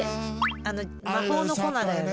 あの魔法の粉だよね。